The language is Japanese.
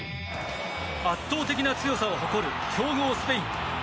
圧倒的な強さを誇る強豪スペイン。